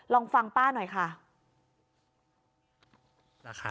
ลองฟังป้าหน่อยค่ะ